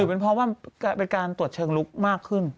หรือเป็นเพราะว่าการตรวจเชิงลูกมากขึ้น